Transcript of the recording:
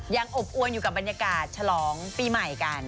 อบอวนอยู่กับบรรยากาศฉลองปีใหม่กัน